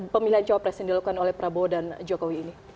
pemilihan cawapres yang dilakukan oleh prabowo dan jokowi ini